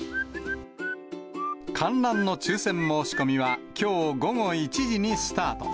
観覧の抽せん申し込みはきょう午後１時にスタート。